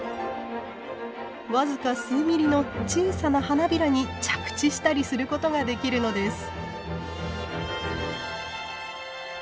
僅か数ミリの小さな花びらに着地したりすることができるのです。